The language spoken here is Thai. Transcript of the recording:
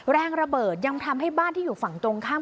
แรงระเบิดยังทำให้บ้านที่อยู่ฝั่งตรงข้าม